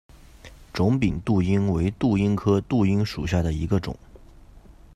肿柄杜英为杜英科杜英属下的一个种。